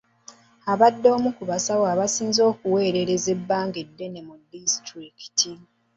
Abadde omu ku basawo abasinze okuweererezza ebbanga eddene mu disitulikiti.